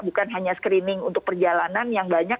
bukan hanya screening untuk perjalanan yang banyak